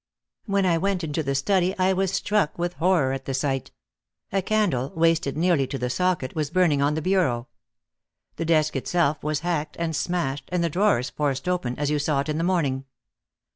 When I went into the study I was struck with horror at the sight. A candle, wasted nearly to the socket, was burning on the bureau. The desk itself was hacked and smashed, and the drawers forced open, as you saw it in the morning.